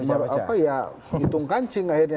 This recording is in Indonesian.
apa ya hitung kancing akhirnya